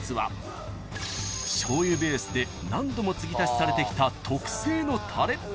［しょうゆベースで何度もつぎ足しされてきた特製のたれ］